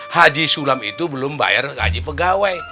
haji sulam itu belum bayar gaji pegawai